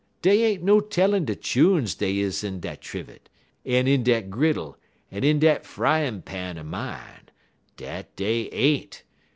Dey ain't no tellin' de chunes dey is in dat trivet, en in dat griddle, en in dat fryin' pan er mine; dat dey ain't.